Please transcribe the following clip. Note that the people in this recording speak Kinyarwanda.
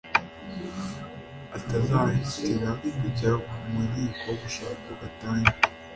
atazihutira kujya mu nkiko gushaka gatanya.